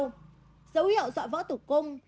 dấu hiệu dọa vỡ tủ cung